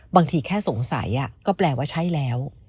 แค่สงสัยก็แปลว่าใช่แล้ว